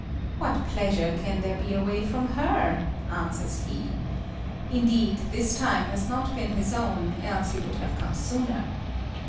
What pleasure can there be away from her? answers he. Indeed, his time has not been his own, else he would have come sooner.